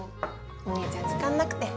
お姉ちゃん時間なくて。